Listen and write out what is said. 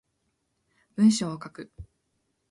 文章を書く